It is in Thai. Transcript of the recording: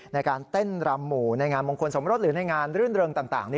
ในการเต้นรำหมู่ในงานมงคลสมรสหรือในงานรื่นเริงต่าง